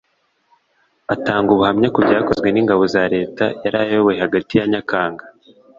atanga ubuhamya ku byakozwe n'ingabo za leta yari ayoboye hagati ya nyakanga